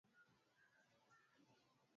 na mahakama moja nchini sweden